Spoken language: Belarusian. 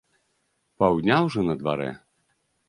Паўдня ўжо на дварэ!